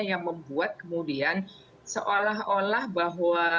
yang membuat kita berpikir bahwa